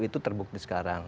itu terbukti sekarang